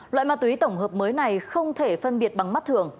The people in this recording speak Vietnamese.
loại ma túy tổng hợp mới này không thể phân biệt bằng mắt thường